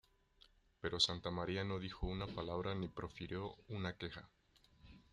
Pero Santamaría no dijo una palabra ni profirió una queja.